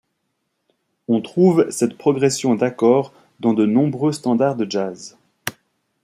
On trouve cette progression d'accords dans de nombreux standards de jazz.